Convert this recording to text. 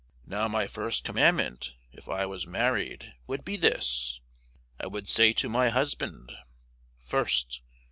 Now my first commandment, if I was married, would be this, I would say to my husband. 1st.